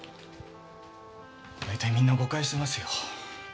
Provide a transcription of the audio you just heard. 大体みんな誤解してますよ。